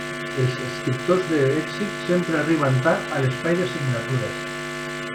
Els escriptors d'èxit sempre arriben tard a l'espai de signatures.